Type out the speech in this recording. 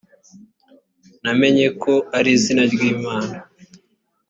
namenye ko ari izina ry imana